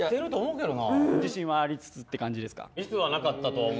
自信はありつつって感じですか？